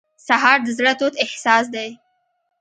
سهار د زړه تود احساس دی.